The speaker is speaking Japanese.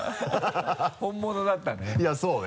本物だったね。